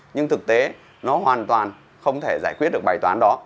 nhưng thực tế nó hoàn toàn không thể giải quyết được bài toán đó